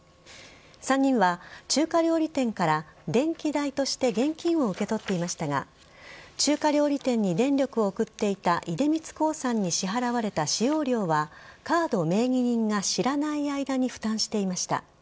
３人は中華料理店から電気代として現金を受け取っていましたが中華料理店に電力を送っていた出光興産に支払われた使用料はカード名義人が知らない間に負担していました。